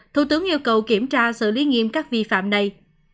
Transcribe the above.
thủ tướng yêu cầu kiểm tra xử lý nghiêm các vi phạm này